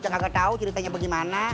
kagak tau ceritanya bagaimana